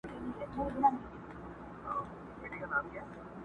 پاچا پورته په کړکۍ په ژړا سو!!